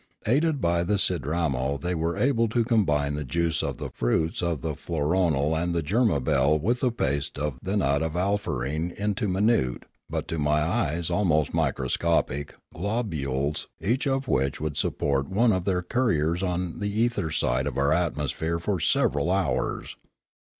Aided by the Sidramo they were able to combine the juice of the fruits of the floronal and the germabell with the paste of the nut of alfarene into minute, to my eyes almost microscopic, globules, each of which would support one of their couriers in the ether outside of our atmosphere for sev eral hours.